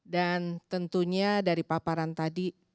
dan tentunya dari paparan tadi